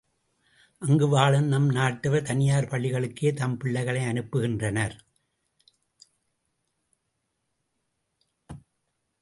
அங்கு வாழும் நம் நாட்டவர் தனியார் பள்ளிகளுக்கே தம் பிள்ளைகளை அனுப்புகின்றனர்.